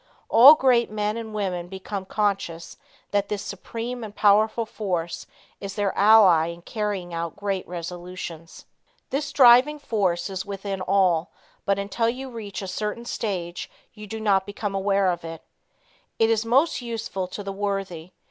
All great men and women become conscious that this supreme and powerful force is their ally in carrying out great resolutions. This driving force is within all, but until you reach a certain stage you do not become aware of it. It is most useful to the worthy.